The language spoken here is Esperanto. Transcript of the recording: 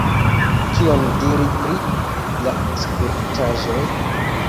Kion diri pri la skulptaĵoj?